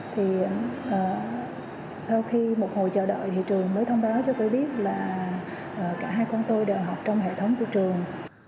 thì sau khi một hồi chờ đợi thì trường mới thông báo cho tôi biết là cả hai con tôi đều học trong hệ thống của trường